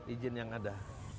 izin yang ada